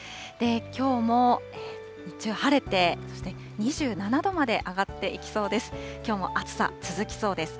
きょうも日中晴れて、そして２７度まで上がっていきそうです。